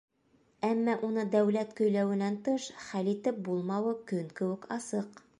Әммә уны дәүләт көйләүенән тыш хәл итеп булмауы көн кеүек асыҡ.